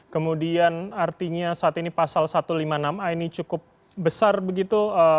kemudian artinya saat ini pasal satu ratus lima puluh enam a ini cukup besar begitu